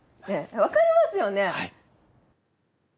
はい。